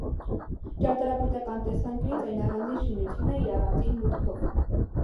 Ճարտարապետական տեսանկյունից այն առանձին շինություն է՝ իր առանձին մուտքով։